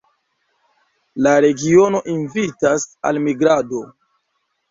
La regiono invitas al migrado.